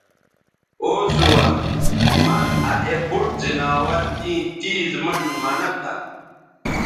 او سُوہ مہ آ اے بُوٹ زناور تیں تیز منڈ منہ تہ